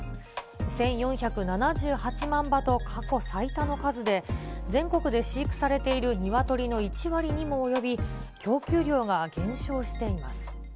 １４７８万羽と過去最多の数で、全国で飼育されているニワトリの１割にも及び、供給量が減少しています。